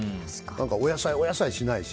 お野菜お野菜しないし。